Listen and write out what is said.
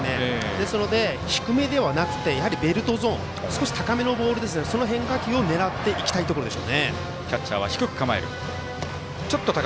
ですので、低めではなくてやはりベルトゾーン少し高めのボールその変化球を狙っていきたいところでしょうね。